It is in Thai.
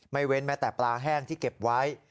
ไม่เว้นมาตั้งแต่ปลาแห้งที่เก็บไว้